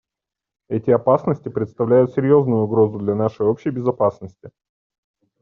Эти опасности представляют серьезную угрозу для нашей общей безопасности.